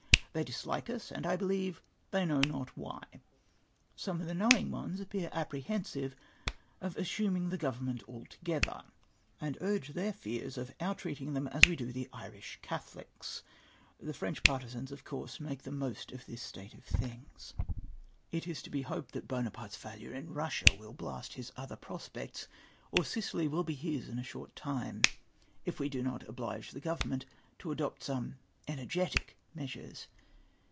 They dislike us, and I believe they know not wliy. Some of the knowing ones appear ap prehensive of oiu assuming the government altogether ; and urge their fears of our treating them as we do the Irish Catholics! The French partisans, of course, make the most of this state of things. " It is to be hopeXl that Buonaparte's failure in Eussia will blast his other prospects, or Sicily will be his in a short time, if we do not oblige the Government to adopt some energetic measures.